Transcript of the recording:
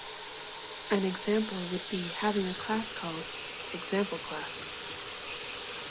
An example would be having a class called "ExampleClass".